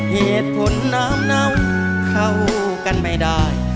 เหตุผลน้ำเนาเข้ากันไม่ได้